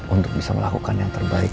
untuk bisa melakukan yang terbaik